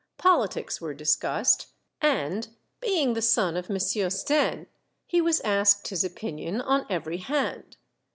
Politics were discussed, and, being the son of Monsieur Stenne, he was asked his opinion on every hand.